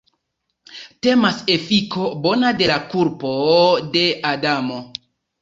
Temas efiko bona de la kulpo de Adamo.